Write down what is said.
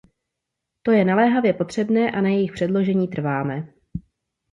To je naléhavě potřebné a na jejich předložení trváme.